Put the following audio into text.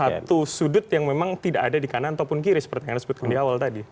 satu sudut yang memang tidak ada di kanan ataupun kiri seperti yang anda sebutkan di awal tadi